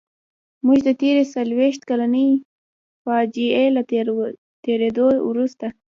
موږ د تېرې څلويښت کلنې فاجعې له تېرېدو وروسته.